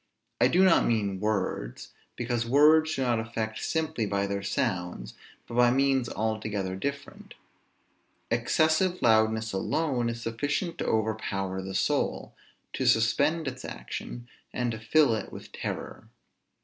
I do not mean words, because words do not affect simply by their sounds, but by means altogether different. Excessive loudness alone is sufficient to overpower the soul, to suspend its action, and to fill it with terror.